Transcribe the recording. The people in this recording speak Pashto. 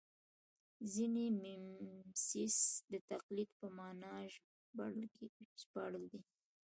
ځینې میمیسیس د تقلید په مانا ژباړلی دی